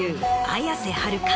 綾瀬はるか。